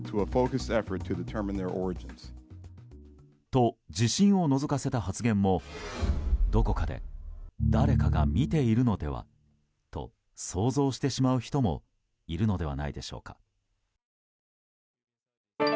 と、自信をのぞかせた発言もどこかで誰かが見ているのではと想像してしまう人もいるのではないでしょうか。